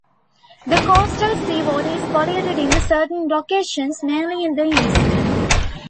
The coastal seawater is polluted in certain locations, mainly the east.